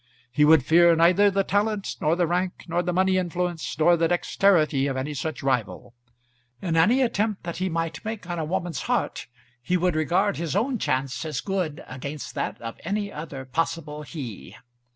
He would fear neither the talent, nor the rank, nor the money influence, nor the dexterity of any such rival. In any attempt that he might make on a woman's heart he would regard his own chance as good against that of any other possible he.